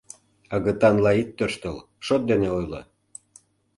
Агытанла ит тӧрштыл, шот дене ойло!